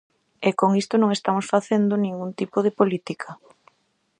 E con iso non estamos facendo ningún tipo de política.